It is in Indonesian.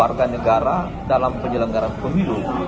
warga negara dalam penyelenggaran pemilu